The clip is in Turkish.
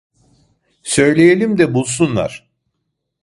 Söyleyelim de bulsunlar.